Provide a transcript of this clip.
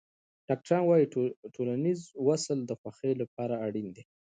ډاکټران وايي ټولنیز وصل د خوښۍ لپاره اړین دی.